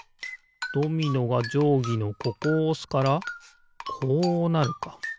ドミノがじょうぎのここをおすからこうなるか。